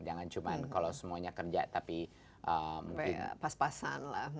jangan cuma kalau semuanya kerja tapi mungkin pas pasan lah